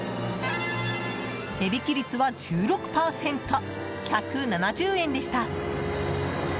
値引き率は１６％１７０円でした。